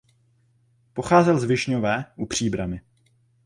Pocházel z Višňové u Příbrami.